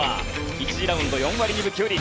１次ラウンド４割２分９厘。